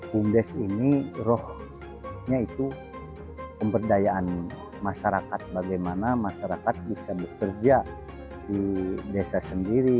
bumdes ini rohnya itu pemberdayaan masyarakat bagaimana masyarakat bisa bekerja di desa sendiri